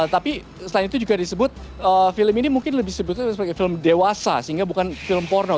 tapi selain itu juga disebut film ini mungkin lebih disebut sebagai film dewasa sehingga bukan film porno